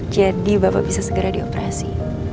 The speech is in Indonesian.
jadi bapak bisa segera dioperasi